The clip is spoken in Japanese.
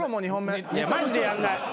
マジでやんない。